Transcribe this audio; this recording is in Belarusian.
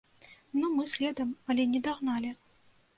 Ну мы следам, але не дагналі.